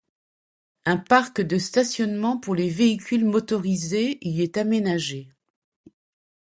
Un parc de stationnement pour les véhicules motorisés y est aménagé.